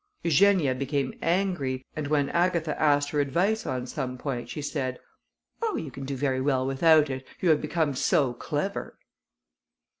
Eugenia became angry, and when Agatha asked her advice on some point, she said, "Oh, you can do very well without it, you have become so clever."